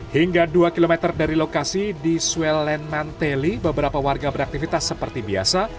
hingga dua km dari lokasi di swellan manteli beberapa warga beraktivitas seperti biasa